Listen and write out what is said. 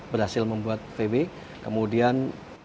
berhasil membuat vw kemudian